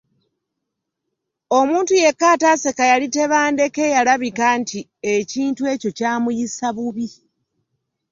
Omuntu yekka ataaseka yali Tebandeke eyalabika nti ekintu ekyo ky’amuyisa bubi.